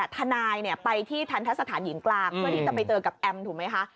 ทนายไปที่ทันทะสถานหญิงกลางเพื่อที่จะไปเจอกับแอมถูกไหมคะ